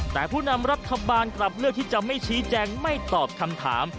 แต่ผู้นำรัฐบาลกลับเลือกที่จะไม่ชี้แจงไม่ตอบคำถาม